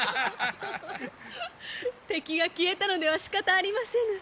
敵が消えたのではしかたありませぬ。